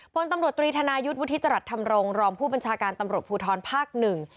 พลตำรวจตรีธนายุทธ์วุฒิจรัสธรรมรงรองผู้บัญชาการตำรวจภูทรภาคหนึ่ง